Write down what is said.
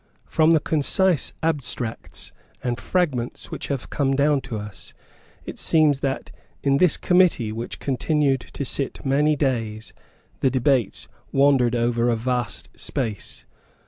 From the concise abstracts and fragments which have come down to us it seems that, in this Committee, which continued to sit many days, the debates wandered over a vast space.